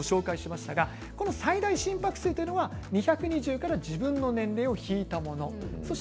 最大心拍数は２２０から自分の年齢を引いたものですね。